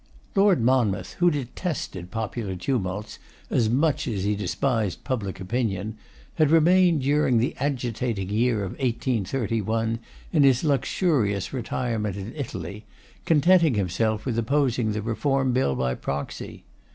Lord Monmouth, who detested popular tumults as much as he despised public opinion, had remained during the agitating year of 1831 in his luxurious retirement in Italy, contenting himself with opposing the Reform Bill by proxy.